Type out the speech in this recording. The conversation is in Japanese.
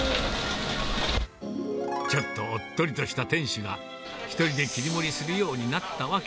ちょっとおっとりとした店主が、１人で切り盛りするようになった訳。